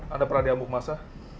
anda pernah diambuk massa